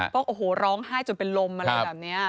ก็โอ้โหร้องไห้จนเป็นลมอะไรแบบนี้